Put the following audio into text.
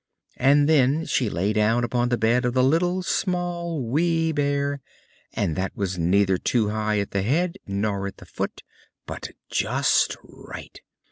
And then she lay down upon the bed of the Little, Small, Wee Bear; and that was neither too high at the head nor at the foot, but just right.